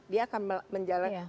dia akan menjalani